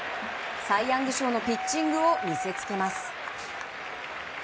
サイ・ヤング賞のピッチングを見せつけます。